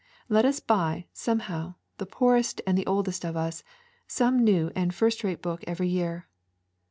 Let us buy, somehow, the poorest and the oldest of us, some new and first rate book every year.